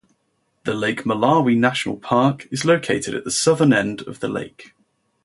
The Lake Malawi National Park is located at the southern end of the lake.